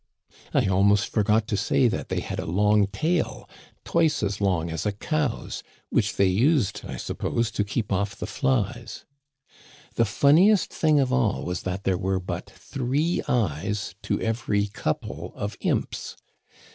I almost forgot to say that they had a long tail, twice as long as a cow's, which they used, I suppose, to keep off the flies. " The funniest thing of all was that there were but three eyes to every couple of imps.